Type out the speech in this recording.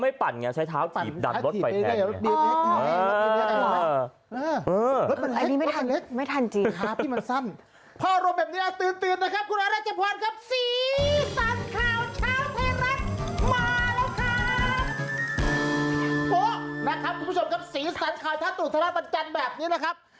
โหนะครับคุณผู้ชมครับสีสันข่าวท่าตุ๋นเทราปัญญาณแบบนี้นะครับ